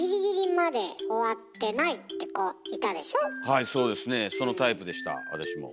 はいそうですねそのタイプでした私も。